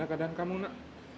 aku udah bisa lihat